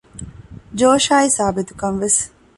ޖޯޝާއި ސާބިތުކަންވެސް